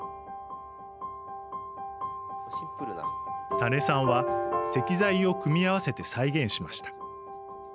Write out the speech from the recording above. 田根さんは石材を組み合わせて再現しました。